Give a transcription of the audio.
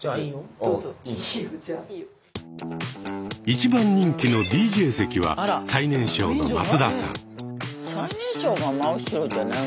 一番人気のＤＪ席は最年少の松田さん。